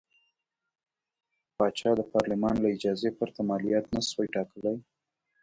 پاچا د پارلمان له اجازې پرته مالیات نه شوای ټاکلی.